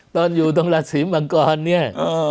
ตอนอยู่ตรงราศีมังกรเนี่ย